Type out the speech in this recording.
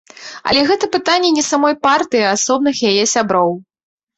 Але гэта пытанне не самой партыі, а асобных яе сяброў.